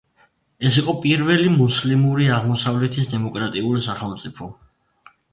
ეს იყო პირველი მუსლიმური აღმოსავლეთის დემოკრატიული სახელმწიფო.